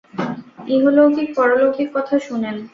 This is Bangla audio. ইহলৌকিক পরলৌকিক কথা শুনেন।